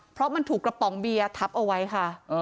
เพราะมันถูกกระป๋องเบียร์ทับเอาไว้ค่ะ